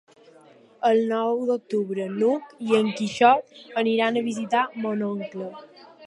El nou d'octubre n'Hug i en Quixot aniran a visitar mon oncle.